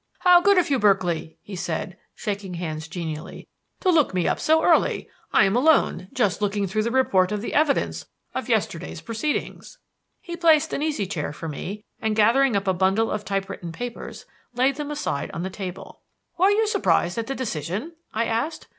"How good of you, Berkeley," he said, shaking hands genially, "to look me up so early. I am alone, just looking through the report of the evidence of yesterday's proceedings." He placed an easy chair for me, and, gathering up a bundle of typewritten papers, laid them aside on the table. "Were you surprised at the decision?" I asked.